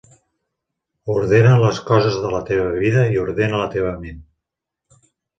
Ordena les coses de la teva vida i ordena la teva ment.